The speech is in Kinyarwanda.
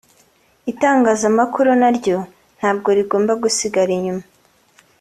itangazamakuru na ryo ntabwo rigomba gusigara inyuma